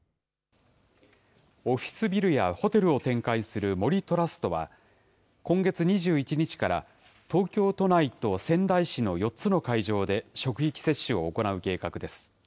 オフィスビルやホテルを展開する森トラストは、今月２１日から東京都内と仙台市の４つの会場で職域接種を行う計画です。